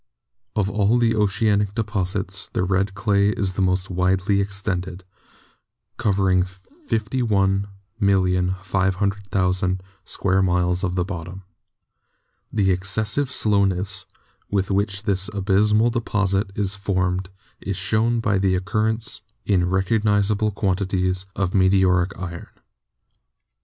Of all the oceanic deposits the red clay is the most widely extended, covering 51,500,000 square miles of the bottom. The ex cessive slowness with which this abyssmal deposit is formed is shown by the occurrence in recognisable quan tities of meteoric iron.